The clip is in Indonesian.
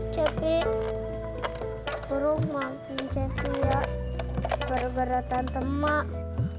cepi berubah ubah cepi ya kepada tante mak